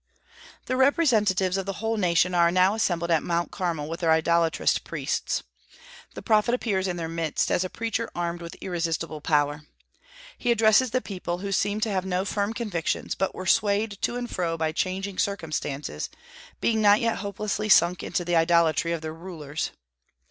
The representatives of the whole nation are now assembled at Mount Carmel, with their idolatrous priests. The prophet appears in their midst as a preacher armed with irresistible power. He addresses the people, who seemed to have no firm convictions, but were swayed to and fro by changing circumstances, being not yet hopelessly sunk into the idolatry of their rulers.